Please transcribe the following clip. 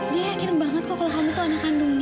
dia yakin banget kok kalau kamu tuh anak kandungnya